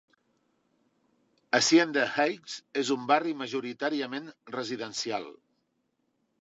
Hacienda Heights és un barri majoritàriament residencial.